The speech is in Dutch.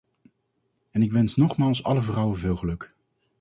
En ik wens nogmaals alle vrouwen veel geluk.